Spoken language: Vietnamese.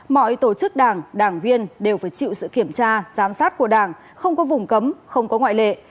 mọi tổ chức đảng đảng viên đều phải chịu sự kiểm tra giám sát của đảng không có vùng cấm không có ngoại lệ